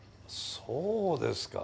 そうですか。